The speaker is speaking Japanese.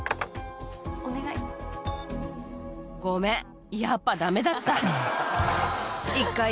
ごめん、やっぱだめだった。